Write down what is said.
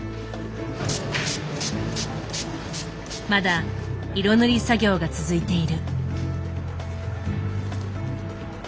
まだ色塗り作業が続いている。